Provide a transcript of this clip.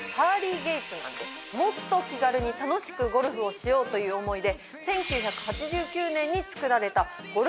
もっと気軽に楽しくゴルフをしようという思いで。